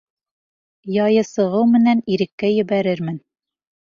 Яйы сығыу менән иреккә ебәрермен.